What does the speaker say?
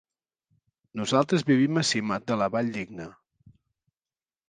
Nosaltres vivim a Simat de la Valldigna.